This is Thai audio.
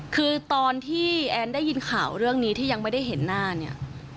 คือตอนที่แอนได้ยินข่าวเรื่องนี้ที่ยังไม่ได้เห็นหน้าเนี่ย